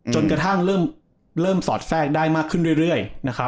จนกระทั่งเริ่มสอดแทรกได้มากขึ้นเรื่อย